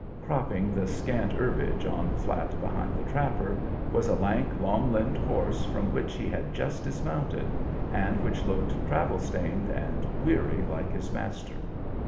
Cropping the scant herbage on the flat behind the trapper was a lank, long limbed horse from which he had just dismounted, and which looked travel stained and weary like his master.